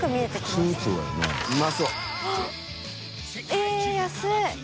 えっ安い！